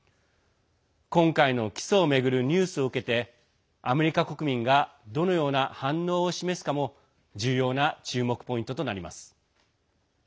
今回の起訴を巡るニュースを受けてアメリカ国民がどのような反応を示すかも重要な注目ポイントとなります。